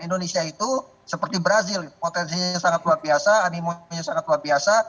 indonesia itu seperti brazil potensinya sangat luar biasa animonya sangat luar biasa